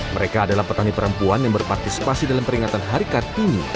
mereka adalah petani perempuan yang berpartisipasi dalam peringatan hari kartini